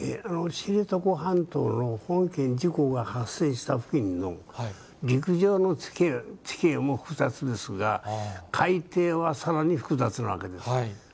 知床半島の本件事故が発生した付近の陸上の地形も複雑ですが、海底はさらに複雑なわけです。